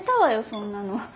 そんなの。